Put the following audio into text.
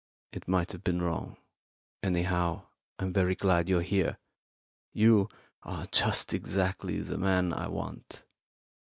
It might have been wrong. Anyhow, I'm very glad you're here. You are just exactly the man I want.